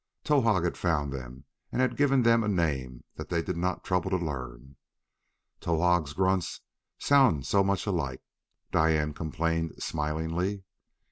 Towahg had found them and had given them a name that they did not trouble to learn. "Towahg's grunts sound so much alike," Diane complained smilingly.